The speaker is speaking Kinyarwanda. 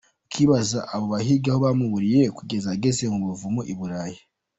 Ukibaza abo bahigi aho bamuburiye kugeza ageze mu buvumo, I Burayi !